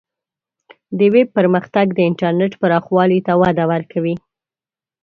د ویب پرمختګ د انټرنیټ پراخوالی ته وده ورکوي.